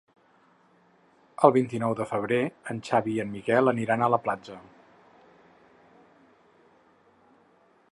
El vint-i-nou de febrer en Xavi i en Miquel aniran a la platja.